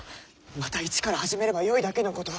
また一から始めればよいだけのこと。